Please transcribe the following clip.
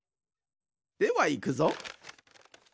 ではいくぞ。